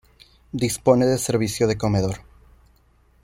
Dispone de servicio de comedor.